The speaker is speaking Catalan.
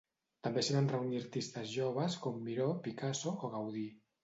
També s'hi van reunir artistes joves com Miró, Picasso o Gaudí.